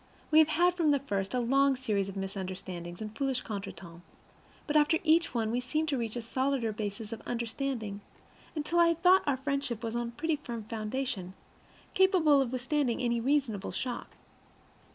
We have had from the first a long series of misunderstandings and foolish contretemps, but after each one we seemed to reach a solider basis of understanding, until I had thought our friendship was on a pretty firm foundation, capable of withstanding any reasonable shock.